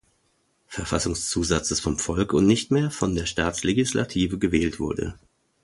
Verfassungszusatzes vom Volk und nicht mehr von der Staatslegislative gewählt wurde.